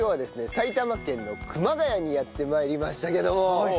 埼玉県の熊谷にやって参りましたけども。